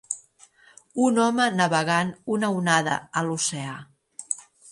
Un home navegant una onada a l'oceà.